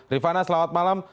rifana selamat malam